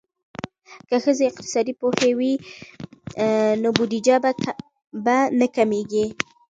که ښځې اقتصاد پوهې وي نو بودیجه به نه کمیږي.